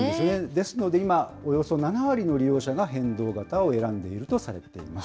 ですので今、およそ７割の利用者が変動型を選んでいるとされています。